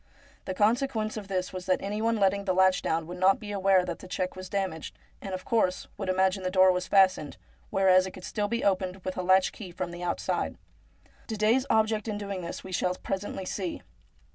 The consequence of this was that any one letting the latch down would not be aware that the check was damaged, and, of course, would imagine the door was fastened, whereas it could still be opened with a latch key from the outside. Didet's object in doing this we shall pre sently see.